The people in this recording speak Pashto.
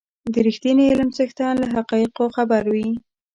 د رښتيني علم څښتن له حقایقو خبر وي.